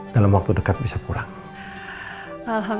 dalam waktu dekat bisa pulang ya